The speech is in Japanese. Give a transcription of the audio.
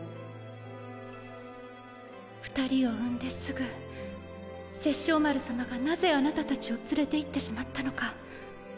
２人を産んですぐ殺生丸さまがなぜあなた達を連れて行ってしまったのか。